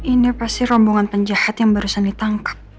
ini pasti rombongan penjahat yang barusan ditangkap